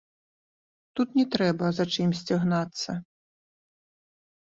Тут не трэба за чымсьці гнацца.